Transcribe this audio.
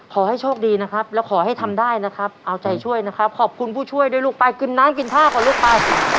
ขอให้โชคดีนะครับแล้วขอให้ทำได้นะครับเอาใจช่วยนะครับขอบคุณผู้ช่วยด้วยลูกไปกินน้ำกินท่าก่อนลูกไป